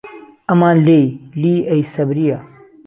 ئەمان لێی لی ئەی سەبرییە